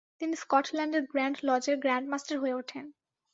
তিনি স্কটল্যান্ডের গ্র্যান্ড লজের গ্র্যান্ডমাস্টার হয়ে উঠেন।